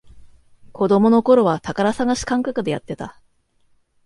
子供のころは宝探し感覚でやってた